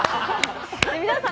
皆さん